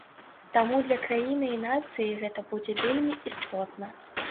Таму для краіны і нацыі гэта будзе вельмі істотна.